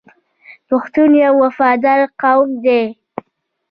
پښتون یو وفادار قوم دی.